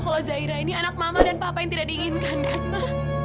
kalau zaira ini anak mama dan papa yang tidak diinginkan